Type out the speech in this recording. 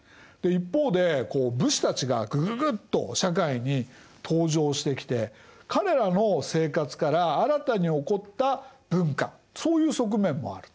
一方でこう武士たちがぐぐぐっと社会に登場してきて彼らの生活から新たに興った文化そういう側面もある。